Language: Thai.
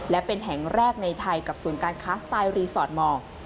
และเป็นแห่งแรกในไทยกับศูนย์การค้าสไตล์รีสอร์ทมอร์